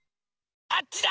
あっちだ！